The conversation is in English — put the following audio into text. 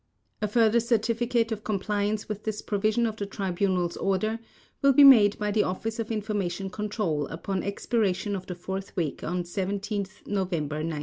A further certificate of compliance with this provision of the Tribunal's order will be made by the Office of Information Control upon expiration of the fourth week on 17 November 1945.